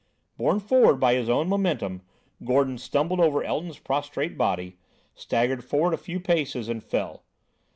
Borne forward by his own momentum, Gordon stumbled over Elton's prostrate body, staggered forward a few paces, and fell.